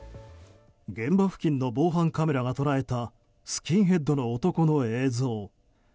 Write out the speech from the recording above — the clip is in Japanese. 現場付近の防犯カメラが捉えたスキンヘッドの男の映像。